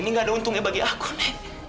nih nggak ada untungnya bagi aku nek